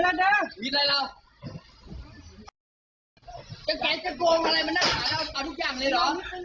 จะโกงอะไรจะรอให้เราเอาทุกอย่างเลยเหรอ